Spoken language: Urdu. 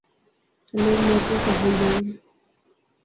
تو لوگ میٹرو کو بھول جائیں گے۔